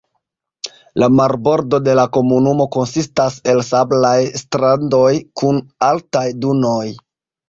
La marbordo de la komunumo konsistas el sablaj strandoj kun altaj dunoj.